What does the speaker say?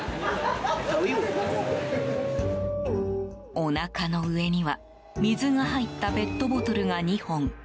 おなかの上には水が入ったペットボトルが２本。